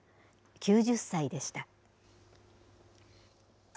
９０歳でした。